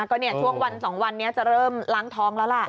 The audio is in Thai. ก็ช่วงวัน๒วันนี้จะเริ่มล้างท้องแล้วล่ะ